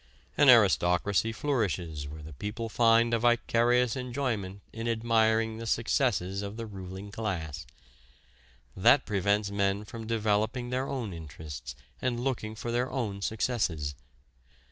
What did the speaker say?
An aristocracy flourishes where the people find a vicarious enjoyment in admiring the successes of the ruling class. That prevents men from developing their own interests and looking for their own successes.